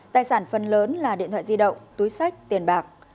tài sản phần lớn là điện thoại di động túi sách tiền bạc